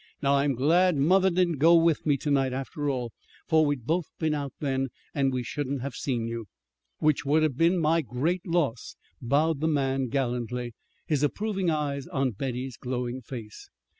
"Now, I'm glad mother didn't go with me to night, after all, for we'd both been out then, and we shouldn't have seen you." "Which would have been my great loss," bowed the man gallantly, his approving eyes on Betty's glowing face.